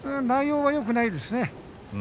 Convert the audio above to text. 内容はよくないですね。